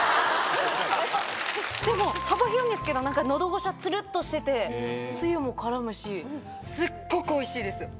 でも幅広いんですけど喉越しはつるっとしててつゆも絡むしすっごくおいしいです。